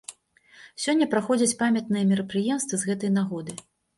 Сёння праходзяць памятныя мерапрыемствы з гэтай нагоды.